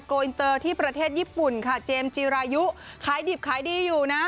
อินเตอร์ที่ประเทศญี่ปุ่นค่ะเจมส์จีรายุขายดิบขายดีอยู่นะ